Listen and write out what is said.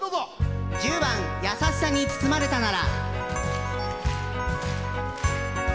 １０番「やさしさに包まれたなら」。